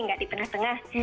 nggak di tengah tengah